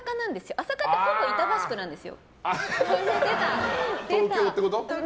朝霞ってほぼ板橋区なんです。